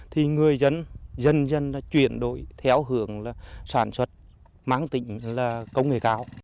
thì người dân dân dân đã chuyển đổi theo hướng sản xuất máng tỉnh là công nghệ cao